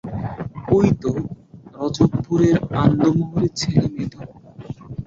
ঐ তো রজবপুরের আন্দো মুহুরির ছেলে মেধো।